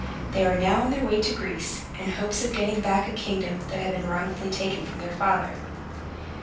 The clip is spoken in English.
They were now on their way to Greece, in hopes of getting back a kingdom that had been wrongfully taken from their father.